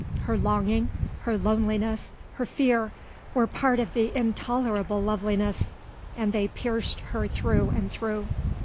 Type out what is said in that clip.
Her longing, her loneliness, her fear, were part of the intolerable loveliness and they pierced her through and through.